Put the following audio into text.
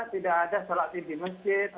tidak ada sholat id di masjid